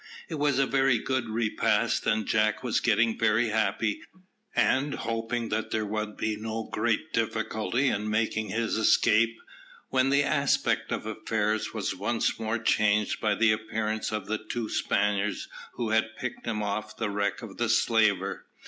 It was a very good repast, and Jack was getting very happy, and hoping that there would be no great difficulty in making his escape, when the aspect of affairs was once more changed by the appearance of the two Spaniards who had picked him off the wreck of the slaver.